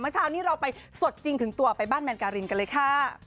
เช้านี้เราไปสดจริงถึงตัวไปบ้านแมนการินกันเลยค่ะ